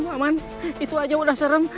aman itu saja sudah serem